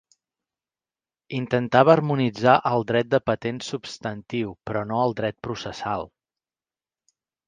Intentava harmonitzar el dret de patents substantiu, però no el dret processal.